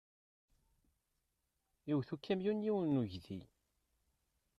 Iwet ukamyun yiwen n uydi.